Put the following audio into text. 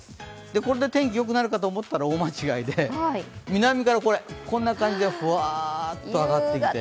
これで天気がよくなるかと思ったら大間違いで南からこんな感じでほわーっと上がってきて。